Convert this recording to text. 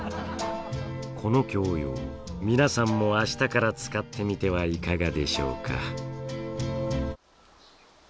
この教養皆さんも明日から使ってみてはいかがでしょうか？